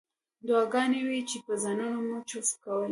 دعاګانې وې چې په ځانونو مو چوف کولې.